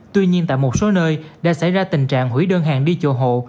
tuy nhiên tại một số nơi đã xảy ra tình trạng hủy đơn hàng đi chùa hộ